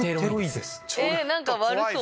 何か悪そう。